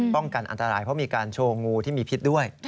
กันอันตรายเพราะมีการโชว์งูที่มีพิษด้วย